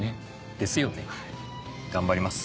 ですよね頑張ります。